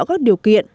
các điều kiện